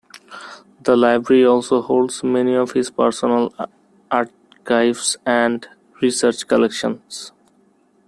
The library also holds many of his personal archives and research collections.